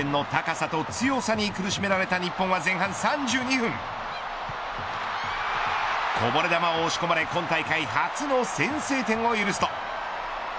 序盤からスウェーデンの高さと強さに苦しめられた日本は前半３２分こぼれ球を押し込まれ今大会初の先制点を許しと。